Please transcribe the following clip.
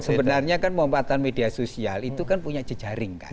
sebenarnya kan memanfaatkan media sosial itu kan punya jejaring